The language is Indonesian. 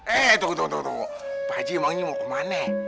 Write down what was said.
eh tuh tuh tuh pak haji emang ini mau kemana